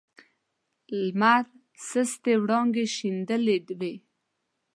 لمر سستې وړانګې شیندلې وې.